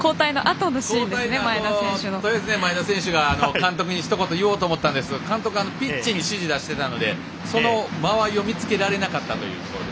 とりあえず、前田選手が監督にひと言言おうと思ったんですが監督はピッチに指示を出していたのでその間合いを見つけられなかったと。